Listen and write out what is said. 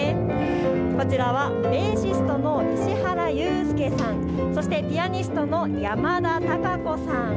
こちらはベーシストの石原雄介さん、そしてピアニストの山田貴子さん。